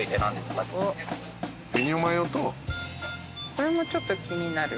これもちょっと気になる。